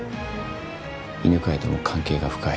犬飼とも関係が深い。